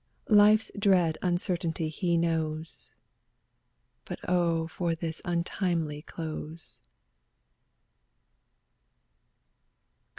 Life's dread uncertainty he knows, But oh for this untimely close!